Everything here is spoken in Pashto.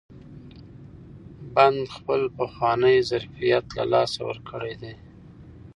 بند خپل پخوانی ظرفیت له لاسه ورکړی دی.